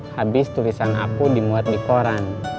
habis tulisan aku dimuat di koran